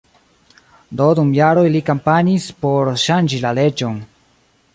Do dum jaroj li kampanjis por ŝanĝi la leĝon.